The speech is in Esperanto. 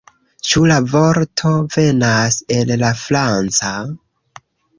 Ĉu la vorto venas el la franca?